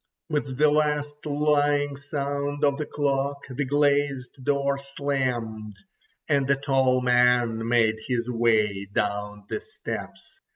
With the last lying sounds of the clock the glazed door slammed, and a tall man made his way down the steps.